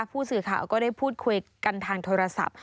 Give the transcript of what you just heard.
ผู้สื่อข่าวก็ได้พูดคุยกันทางโทรศัพท์